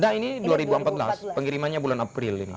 nah ini dua ribu empat belas pengirimannya bulan april ini